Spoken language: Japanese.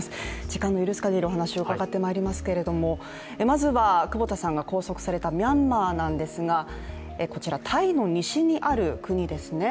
時間の許すかぎりお話を伺ってまいりますけれども、まずは久保田さんが拘束されたミャンマーなんですがこちら、タイの西にある国ですね。